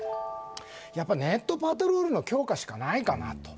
ネットパトロールの強化しかないかなと。